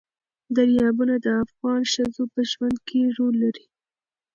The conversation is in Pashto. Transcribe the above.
دریابونه د افغان ښځو په ژوند کې رول لري.